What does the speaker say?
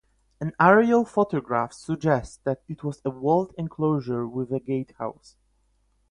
An aerial photograph suggests that it was a walled enclosure with a gatehouse.